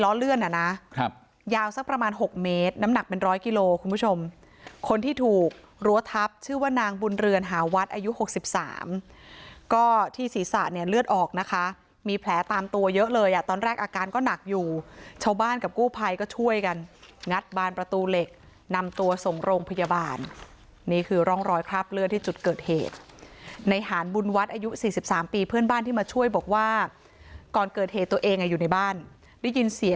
ล้อเลื่อนอ่ะนะครับยาวสักประมาณหกเมตรน้ำหนักเป็นร้อยกิโลคุณผู้ชมคนที่ถูกรั้วทับชื่อว่านางบุญเรือนหาวัดอายุหกสิบสามก็ที่ศรีษะเนี่ยเลือดออกนะคะมีแผลตามตัวเยอะเลยอ่ะตอนแรกอาการก็หนักอยู่ชาวบ้านกับกู้ไพรก็ช่วยกันงัดบานประตูเหล็กนำตัวส่งโรงพยาบาลนี่คือร่องรอยคราบเลื